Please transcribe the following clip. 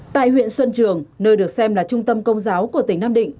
tại huyện xuân trường nơi được xem là trung tâm công giáo của tỉnh nam định